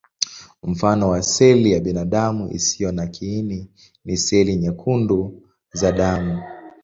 Mfano wa seli ya binadamu isiyo na kiini ni seli nyekundu za damu.